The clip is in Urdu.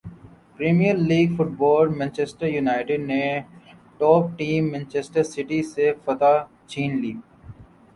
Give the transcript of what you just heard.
premier League football Manchester United نے ٹاپ ٹیم مانچسٹر سٹی سے فتح چھین لی